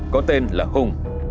có tên là hùng